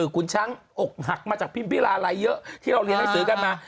คุณช้างอกหักมาจากพิมพิราลัยเยอะที่เราเรียนหนังสือกันมา